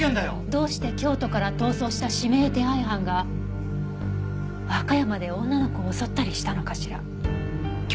どうして京都から逃走した指名手配犯が和歌山で女の子を襲ったりしたのかしら。